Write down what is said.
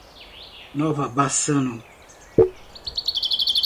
Nova Bassano